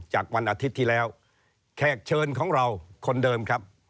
วันอาทิตย์ที่แล้วแขกเชิญของเราคนเดิมครับ